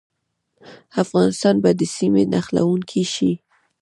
افغانستان به د سیمې نښلونکی شي؟